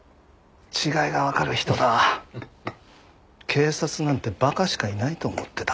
警察なんてバカしかいないと思ってた。